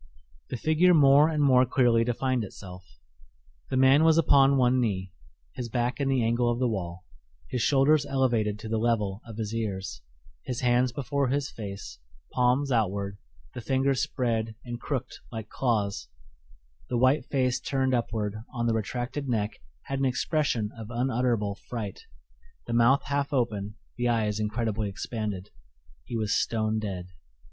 The figure more and more clearly defined itself. The man was upon one knee, his back in the angle of the wall, his shoulders elevated to the level of his ears, his hands before his face, palms outward, the fingers spread and crooked like claws; the white face turned upward on the retracted neck had an expression of unutterable fright, the mouth half open, the eyes incredibly expanded. He was stone dead.